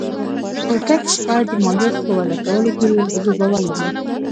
کورتس باید د مالیاتو په وضعه کولو کې رول لوبولی وای.